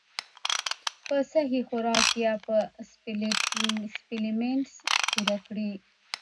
پۀ سهي خوراک يا پۀ سپليمنټس پوره کړي -